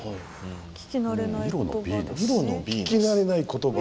聞き慣れない言葉？